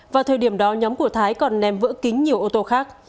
vào thời điểm đó nhóm của thái còn ném vỡ kính nhiều ô tô khác